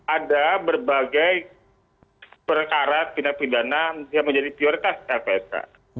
ada berbagai perkara pindahan pindahan yang menjadi prioritas lpsk